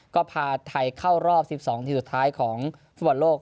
ก็พาไทยเข้ารอบ๑๒ทีมสุดท้ายของฟุตบอลโลก